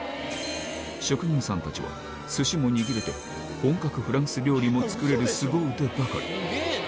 職人さんたちはすしも握れて、本格フランス料理も作れるすご腕ばかり。